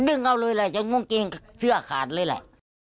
ดึงเอาเลยแหละยังงงเกงเสื้อขาดเลยแหละ